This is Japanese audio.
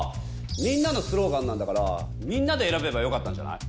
みんなのスローガンなんだからみんなで選べばよかったんじゃない？